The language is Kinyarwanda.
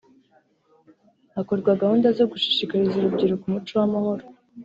Hakorwa gahunda zo gushishikariza urubyiruko umuco w’amahoro